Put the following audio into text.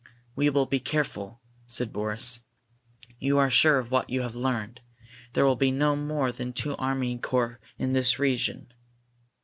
"We will be careful," said Boris. "You are sure of what you have learned? There will be no more than two army corps in this region?"